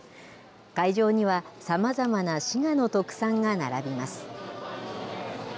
会場にはさまざまな滋賀の特産が並びます。